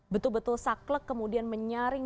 betul betul saklek kemudian menyaring